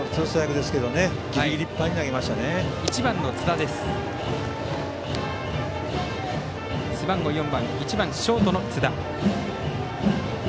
打席には背番号４番、１番ショートの津田。